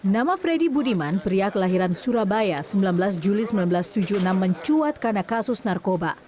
nama freddy budiman pria kelahiran surabaya sembilan belas juli seribu sembilan ratus tujuh puluh enam mencuat karena kasus narkoba